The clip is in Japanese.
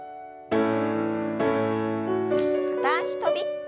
片脚跳び。